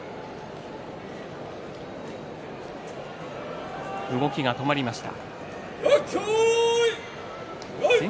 拍手動きが止まりました。